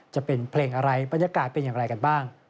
จะเป็นเพลงอะไรบรรยากาศเป็นอย่างไรกันบ้าง